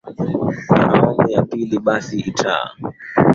na awamu ya pili basi itaa